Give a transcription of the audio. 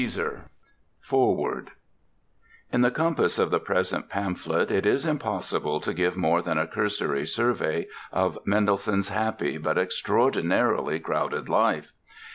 ] FOREWORD In the compass of the present pamphlet it is impossible to give more than a cursory survey of Mendelssohn's happy but extraordinarily crowded life.